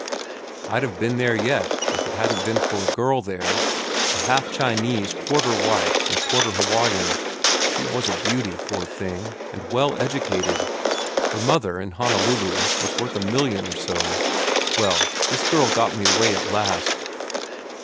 "I'd have been there yet, if it hadn't been for a girl there, a half Chinese, quarter white, and quarter Hawaiian. She was a beauty, poor thing, and well educated. Her mother, in Honolulu, was worth a million or so. Well, this girl got me away at last.